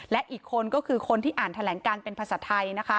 และอีกคนก็คือคนที่อ่านแถลงการเป็นภาษาไทยนะคะ